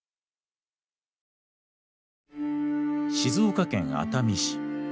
静岡県熱海市。